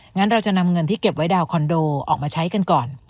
งั้นเราจะนำเงินที่เก็บไว้ดาวนคอนโดออกมาใช้กันก่อน